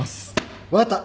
分かった。